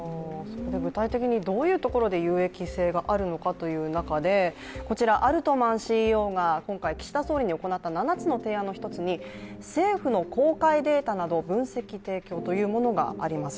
具体的にどういうところで有益性があるのかという中でこちら、アルトマンＣＥＯが今回、岸田総理に行った７つの提案の１つに政府の公開データなど分析提供というものがあります。